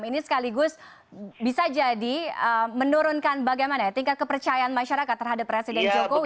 ini sekaligus bisa jadi menurunkan bagaimana tingkat kepercayaan masyarakat terhadap presiden jokowi